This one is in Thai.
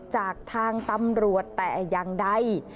จากทางตำรวจแต่อย่างใด